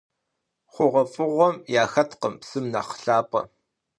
ХъугъуэфӀыгъуэм яхэткъым псым нэхъ лъапӀэ.